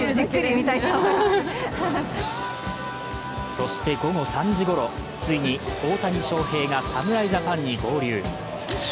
そして午後３時ごろ、ついに大谷翔平が侍ジャパンに合流。